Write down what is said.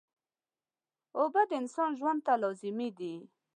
اوبه د انسان ژوند ته لازمي دي